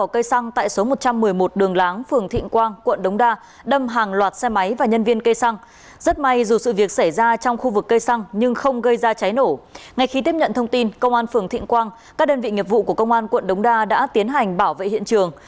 các đơn vị nghiệp vụ của công an quận đống đa đã tiến hành bảo vệ hiện trường